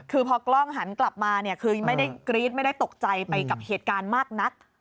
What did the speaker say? คือพอกล้องหันกลับมาเนี่ยคือไม่ได้กรี๊ดไม่ได้ตกใจไปกับเหตุการณ์มากนัก